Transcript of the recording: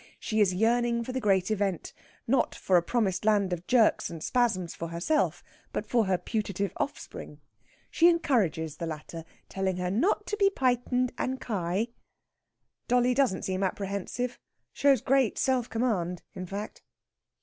She is yearning for the great event; not for a promised land of jerks and spasms for herself, but for her putative offspring. She encourages the latter, telling her not to be pitened and kye. Dolly doesn't seem apprehensive shows great self command, in fact.